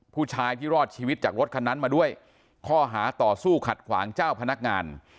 ผู้ชายที่รอดชีวิตจากรถคันนั้นมาด้วยข้อหาต่อสู้ขัดขวางเจ้าพนักงาน